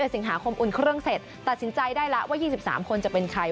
สิงหาคมอุ่นเครื่องเสร็จตัดสินใจได้แล้วว่า๒๓คนจะเป็นใคร